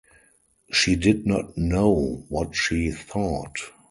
She did not know what she thought.